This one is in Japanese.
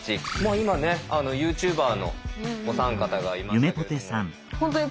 今ねユーチューバーのお三方がいましたけれども。